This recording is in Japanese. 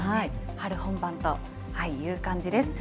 春本番という感じです。